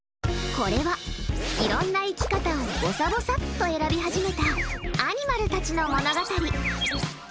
これは、いろんな生き方をぼさぼさっと選び始めたアニマルたちの物語。